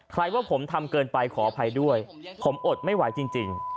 ว่าผมทำเกินไปขออภัยด้วยผมอดไม่ไหวจริง